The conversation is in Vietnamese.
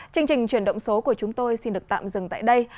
chương trình chuyển động số của chúng tôi xin được tạm dừng tại đây